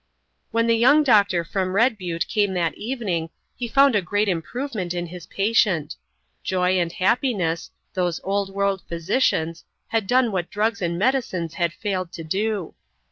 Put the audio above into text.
When the young doctor from Red Butte came that evening he found a great improvement in his patient. Joy and happiness, those world old physicians, had done what drugs and medicines had failed to do.